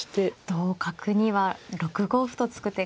同角には６五歩と突く手が。